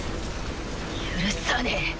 許さねぇ。